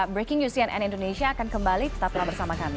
breaking news cnn indonesia akan kembali tetaplah bersama kami